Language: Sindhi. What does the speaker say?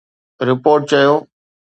رپورٽ چيو